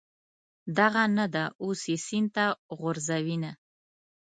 دغه نه ده، اوس یې سین ته غورځوینه.